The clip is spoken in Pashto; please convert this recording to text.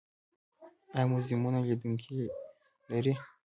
آیا موزیمونه لیدونکي لري؟